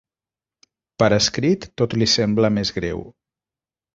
Per escrit tot li sembla més greu.